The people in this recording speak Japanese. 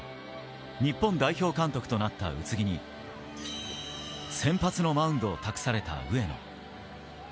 日本代表監督となった宇津木に先発のマウンドを託された上野。